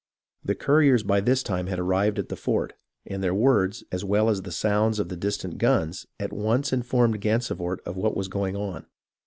The couriers by this time had arrived at the fort, and their words, as well as the sounds of the distant guns, at once informed Gansevoort of what was going on.